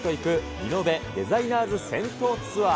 リノベ・デザイナーズ銭湯ツアー。